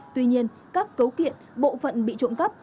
tuy nhiên các cấu kiện bộ phận bị trộm cắp